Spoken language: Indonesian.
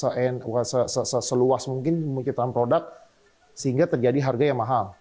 jadi kita gimana ya kita gak bisa seluas mungkin menciptakan produk sehingga terjadi harga yang mahal